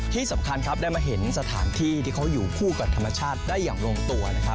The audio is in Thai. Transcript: ที่สำคัญครับได้มาเห็นสถานที่ที่เขาอยู่คู่กับธรรมชาติได้อย่างลงตัวนะครับ